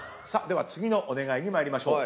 では次のお願いに参りましょう。